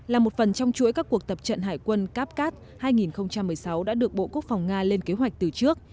là một phần trong chuỗi các cuộc tập trận hải quân capcat hai nghìn một mươi sáu đã được bộ quốc phòng nga lên kế hoạch từ trước